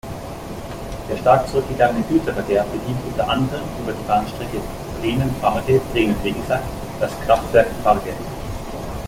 Der stark zurückgegangene Güterverkehr bedient unter anderem über die Bahnstrecke Bremen-Farge–Bremen-Vegesack das Kraftwerk Farge.